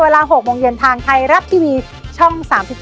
เวลา๖โมงเย็นทางไทยรัฐทีวีช่อง๓๒